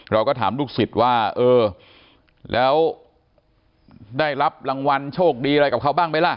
เราก็ถามลูกศิษย์ว่าเออแล้วได้รับรางวัลโชคดีอะไรกับเขาบ้างไหมล่ะ